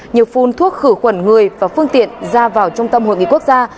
như phun thuốc khử khuẩn người và phương tiện ra vào trung tâm hội nghị quốc gia